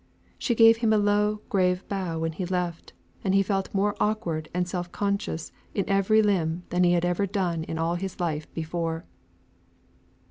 She gave him a low, grave bow when he left, and he felt more awkward and self conscious in every limb than he had ever done in his life before.